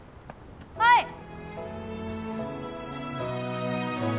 はい！